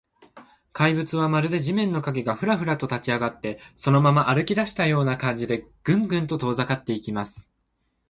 怪物は、まるで地面の影が、フラフラと立ちあがって、そのまま歩きだしたような感じで、グングンと遠ざかっていきます。